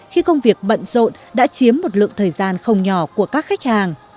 khi công việc bận rộn đã chiếm một lượng thời gian không nhỏ của các khách hàng